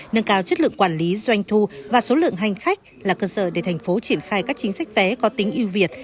nâng cao chất lượng quản lý doanh thu và số lượng hành khách là cơ sở để thành phố triển khai các chính sách vé có tính yêu việt